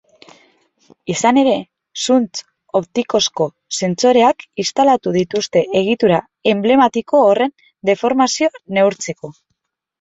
Izan ere, zuntz optikozko sentsoreak instalatu dituzte egitura enblematiko horren deformazioa neurtzeko.